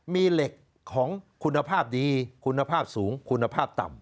มีเหล็กของคุณภาพดีคุณภาพสูงคุณภาพต่ำ